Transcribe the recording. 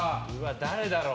誰だろう？